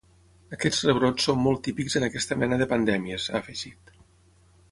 Aquests rebrots són molt típics en aquesta mena de pandèmies, ha afegit.